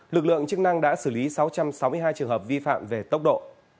lực lượng chức năng đã xử lý sáu trăm sáu mươi hai trường hợp vi phạm về tốc độ